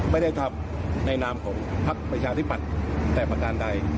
ไม่ได้ทำในนามของพักประชาธิปัตย์แต่ประการใด